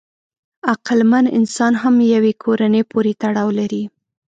عقلمن انسان هم یوې کورنۍ پورې تړاو لري.